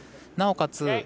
なおかつ